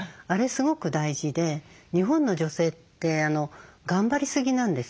あれすごく大事で日本の女性って頑張りすぎなんですよね。